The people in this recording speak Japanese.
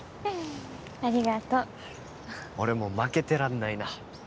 ありがとう俺も負けてらんないな